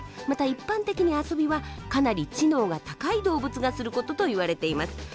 また一般的に遊びはかなり知能が高い動物がする事と言われています。